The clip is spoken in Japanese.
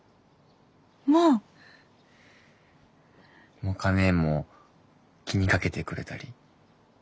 まあ！もか姉も気にかけてくれたり。